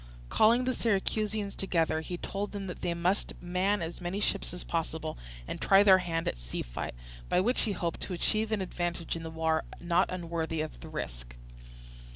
Calling the Syracusans together, he told them that they must man as many ships as possible, and try their hand at a sea fight, by which he hoped to achieve an advantage in the war not unworthy of the risk.